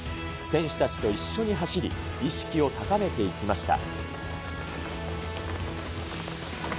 選手たちと一緒に走り、意識を高めていきました。